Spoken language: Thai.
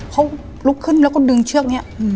เขาลุกขึ้นแล้วก็ดึงเชือกนี้